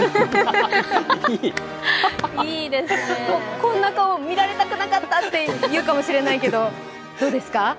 こんな顔、見られたくなかったって言うかもしれないですが、どうですか？